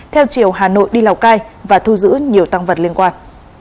theo chiều hà nội đi lào cai và thu giữ nhiều tăng vật liên quan